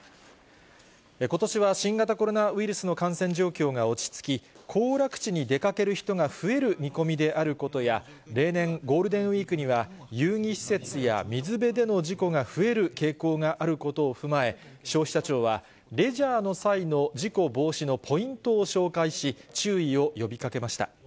ことしは新型コロナウイルスの感染状況が落ち着き、行楽地に出かける人が増える見込みであることや、例年、ゴールデンウィークには遊戯施設や水辺での事故が増える傾向があることを踏まえ、消費者庁はレジャーの際の事故防止のポイントを紹介し、注意を呼びかけました。